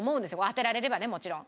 当てられればねもちろん。